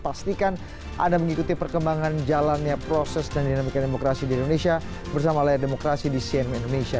pastikan anda mengikuti perkembangan jalannya proses dan dinamika demokrasi di indonesia bersama layar demokrasi di cnn indonesia